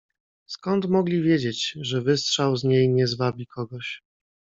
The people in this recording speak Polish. "Skąd mogli wiedzieć, że wystrzał z niej nie zwabi kogoś?"